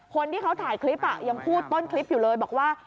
คนที่เขาถ่ายคลิปยังพูดต้นคลิปอยู่เลยบอกว่า